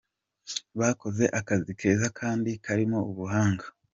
Bakoze akazi keza kandi karimo ubuhanga.